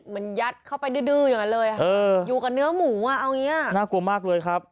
มันยัดเข้าไปดื้ออย่างนั้นเลยอ่ะ